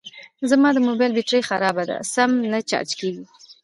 زما د موبایل بېټري خرابه ده سم نه چارج کېږي